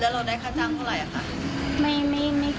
แล้วเราได้ค่าจ้างเท่าไหร่อ่ะค่ะ